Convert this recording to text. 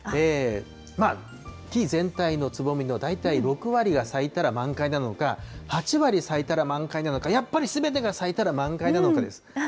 まあ、木全体のつぼみの大体６割が咲いたら満開なのか、８割咲いたら満開なのか、やっぱりすべてが咲いたら満開なのかです。